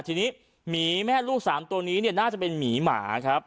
ทีนี้หมีแม่ลูก๓ตัวนี้น่าจะเป็นหมีหมาครับ